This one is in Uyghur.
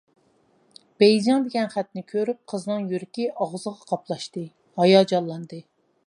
«بېيجىڭ» دېگەن خەتنى كۆرۈپ قىزنىڭ يۈرىكى ئاغزىغا قاپلاشتى، ھاياجانلاندى.